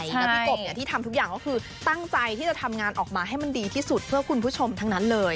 แล้วพี่กบที่ทำทุกอย่างก็คือตั้งใจที่จะทำงานออกมาให้มันดีที่สุดเพื่อคุณผู้ชมทั้งนั้นเลย